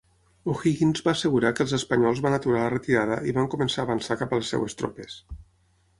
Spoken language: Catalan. O'Higgins va assegurar que els espanyols van aturar la retirada i van començar a avançar cap a les seves tropes.